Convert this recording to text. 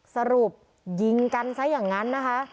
สรุปยิงกันซะอย่างนั้นนะคะ